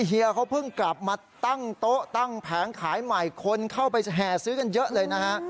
เฮียเขาเพิ่งกลับมาตั้งโต๊ะตั้งแผงขายใหม่คนเข้าไปแห่ซื้อกันเยอะเลยนะฮะ